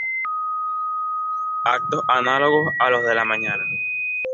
Actos análogos a los de la mañana.